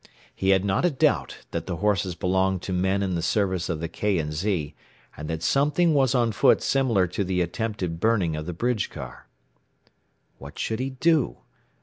He had not a doubt that the horses belonged to men in the service of the K. & Z., and that something was on foot similar to the attempted burning of the bridge car. What should he do?